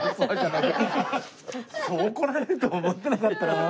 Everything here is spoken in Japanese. そうこられるとは思ってなかったな。